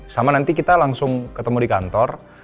sama nanti kita langsung ketemu di kantor